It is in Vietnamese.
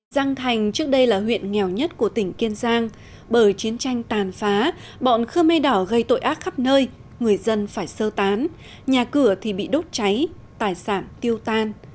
giang thành trước đây là huyện nghèo nhất của tỉnh kiên giang bởi chiến tranh tàn phá bọn khơ mê đỏ gây tội ác khắp nơi người dân phải sơ tán nhà cửa thì bị đốt cháy tài sản tiêu tan